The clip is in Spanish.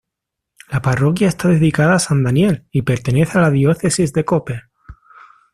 La parroquia está dedicada a San Daniel y pertenece a la diócesis de Koper.